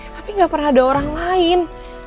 tapi gak pernah ada orang lain